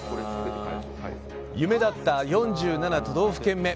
夢だった４７都道府県目。